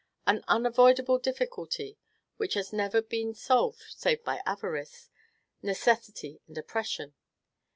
An unavoidable difficulty, which has never been solved save by avarice, necessity, and oppression.